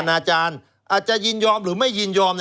อาจารย์อาจจะยินยอมหรือไม่ยินยอม